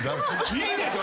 いいでしょ